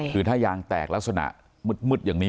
คือถ้ายางแตกลักษณะมืดอย่างนี้